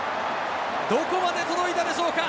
どこまで届いたでしょうか？